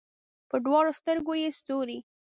په دواړو سترګو کې یې ستوري